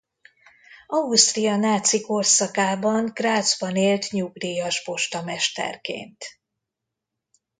Ausztria náci korszakában Grazban élt nyugdíjas postamesterként.